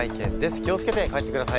気を付けて帰ってくださいね。